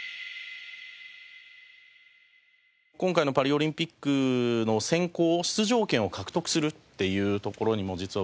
今回のパリオリンピックの選考出場権を獲得するっていうところにも実はワールドカップは関わっていまして。